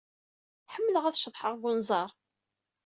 Ḥemmleɣ ad ceḍḥeɣ deg unẓar.